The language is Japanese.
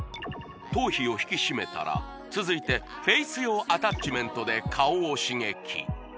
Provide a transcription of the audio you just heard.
頭皮を引き締めたら続いてフェイス用アタッチメントで顔を刺激